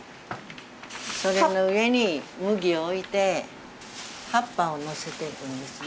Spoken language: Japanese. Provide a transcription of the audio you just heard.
それの上に麦を置いて葉っぱをのせていくんですね。